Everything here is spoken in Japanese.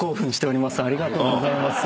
ありがとうございます。